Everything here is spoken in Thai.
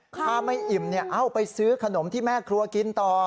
ถ้าไม่อิ่มเอาไปซื้อขนมที่แม่ครัวกินต่อ